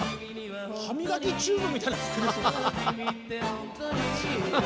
歯磨きチューブみたいな服ですね。